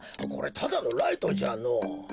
これただのライトじゃのぉ。